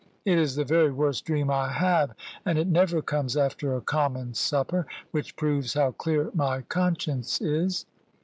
It is the very worst dream I have, and it never comes after a common supper; which proves how clear my conscience is.